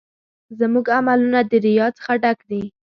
زموږ عملونه د ریا څخه ډک دي.